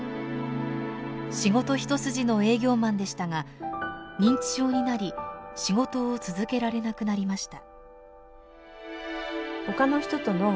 仕事一筋の営業マンでしたが認知症になり仕事を続けられなくなりました。